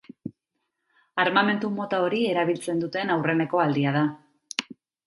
Armamentu mota hori erabiltzen duten aurreneko aldia da.